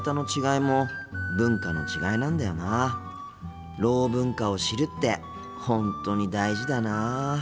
ろう文化を知るって本当に大事だなあ。